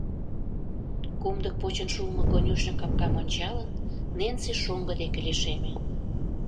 Комдык почын шуымо конюшньо капкам ончалын, Ненси шоҥго дек лишеме.